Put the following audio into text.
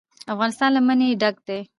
افغانستان له منی ډک دی.